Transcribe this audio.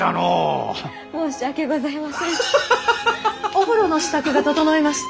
お風呂の支度が整いました。